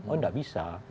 oh enggak bisa